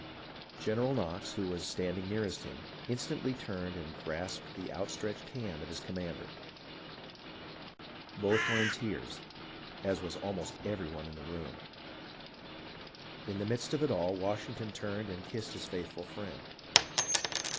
General Knox, who was standing nearest him, instantly turned and grasped the outstretched hand of his com mander. Both were in tears, as was almost every one in the room. In the midst of it all, Washington turned and kissed his faithful friend.